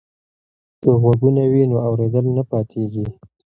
که غوږونه وي نو اوریدل نه پاتیږي.